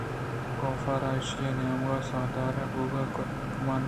کاف ءَ را ایشیءِ نیمگ ءَ ساہدارے ءِ بوئگ ءِ گت ءُگُمان نہ بوت